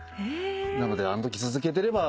なのであのとき続けてれば。